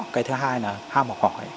cái thứ hai là ham học hỏi